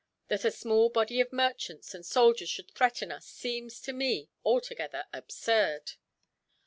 That a small body of merchants and soldiers should threaten us seems, to me, altogether absurd."